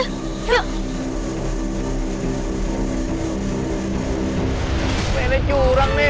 udah curang nih